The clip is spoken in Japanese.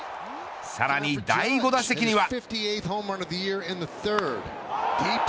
さらに第５打席には。